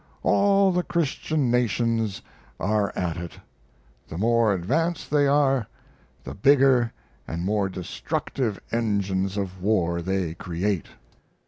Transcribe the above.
All the Christian nations are at it. The more advanced they are, the bigger and more destructive engines of war they create."